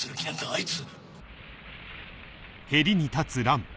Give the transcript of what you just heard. あいつ。